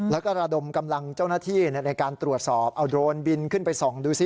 แล้วก็ระดมกำลังเจ้าหน้าที่ในการตรวจสอบเอาโดรนบินขึ้นไปส่องดูซิ